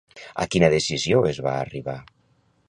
A quina decisió es va arribar?